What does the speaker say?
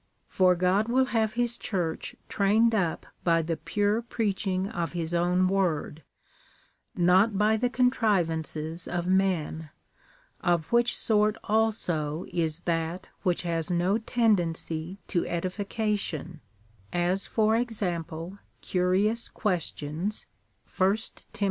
^ For God will have his Church trained up by the pure preach ing of his own word, not by the contrivances of men, of which sort also is that which has no tendency to edification, as for example curious questions, (1 Tim.